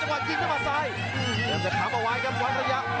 ยังจะค้ำเอาไว้ครับวันระยะ